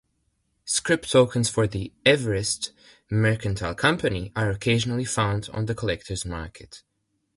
Scrip tokens for The Everist Mercantile Company are occasionally found on the collectors' market.